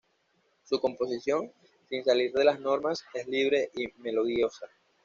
Su composición, sin salir de las normas, es libre y melodiosa.